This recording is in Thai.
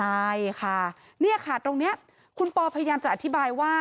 ใช่ค่ะเนี่ยค่ะตรงนี้คุณปอพยายามจะอธิบายว่า